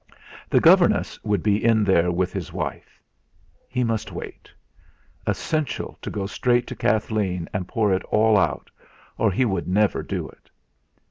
The governess would be in there with his wife! He must wait. Essential to go straight to Kathleen and pour it all out, or he would never do it.